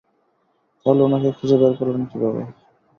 তাহলে ওনাকে খুঁজে বের করলেন কীভাবে?